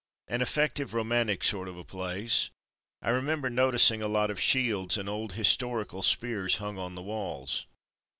An effective romantic sort of a place — I remember noticing a lot of shields and old historical spears hung on the walls.